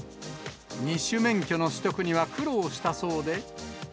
二種免許の取得には苦労したそうで。